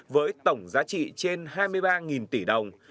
với tổng giá trị trên hai mươi ba tỷ đồng